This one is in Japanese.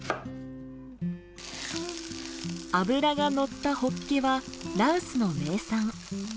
脂がのったホッケは羅臼の名産。